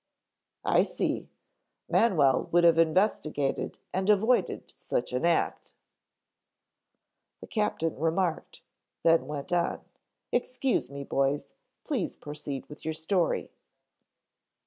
"I see. Manwell would have investigated and avoided such an act," the Captain remarked, then went on, "Excuse me, boys. Please proceed with your story."